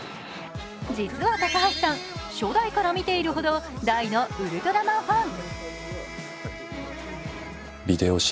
実は高橋さん、初代から見ているほど大のウルトラマンファン。